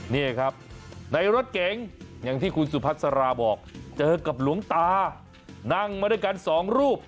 นี่ครับในรถเก๋งอย่างที่คุณสุพัสราบอกเจอกับหลวงตานั่งมาด้วยกันสองรูป